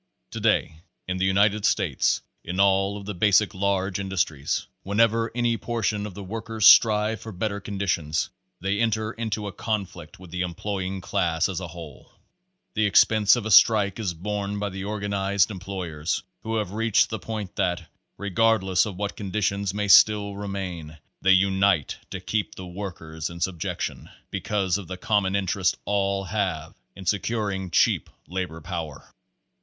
Today in the United States in all of the basic (large) industries, whenever any portion of the workers strive for better conditions, they enter into a conflict with the employing class as a whole. The expense of a strike is borne by the organized employers who have reached the point that, regardless of what competition may still remain, they unite to keep the workers in subjection, because of the common interest all have in securing cheap labor power.